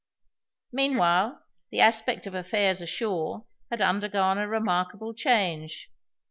Meanwhile, the aspect of affairs ashore had undergone a remarkable change.